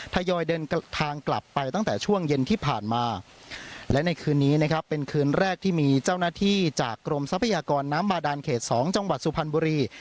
ทยอยเดินทางกลับไปตั้งแต่ช่วงเย็นที่ผ่านมาและในคืนนี้นะครับเป็นคืนแรกที่มีเจ้าหน้าที่จากกรมทรัพยากรน้ำบาดานเขต๒จังหวัดสุพรรณบุรี